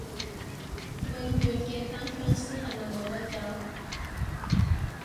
永遠嘅單相思係咪冇得救？